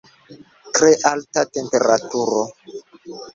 Tre alta temperaturo.